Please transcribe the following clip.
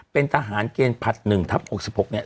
เป็นทหารเกณฑ์ผลัด๑ทับ๖๖เนี่ย